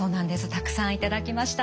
たくさん頂きました。